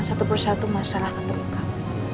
satu persatu masalah akan terungkap